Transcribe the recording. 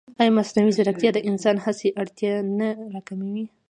ایا مصنوعي ځیرکتیا د انساني هڅې اړتیا نه راکموي؟